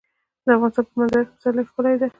د افغانستان په منظره کې پسرلی ښکاره ده.